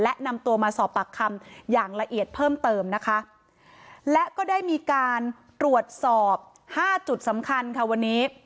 และนำตัวมาสอบปากคำอย่างละเอียดเพิ่มเติมนะคะและก็ได้มีการตรวจสอบห้าจุดสำคัญค่ะวันนี้